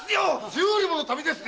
十里もの旅ですぜ。